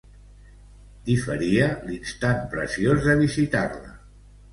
Diferia l'instant preciós de visitar-la.